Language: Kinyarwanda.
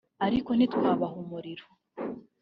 ariko ntitwabaha umuriro